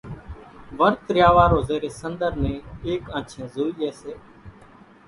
ورت ريا وارو زيرين سنۮر نين ايڪ آنڇين زوئي لئي سي۔